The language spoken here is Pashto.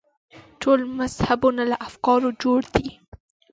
ټول مذهبونه له افکارو جوړ دي.